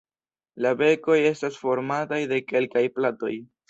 La bekoj estas formataj de kelkaj platoj.